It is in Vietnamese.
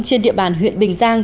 trên địa bàn huyện bình giang